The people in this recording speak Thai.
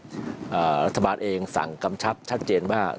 รัฐบาลเองสั่งกำชับชัดเจนว่า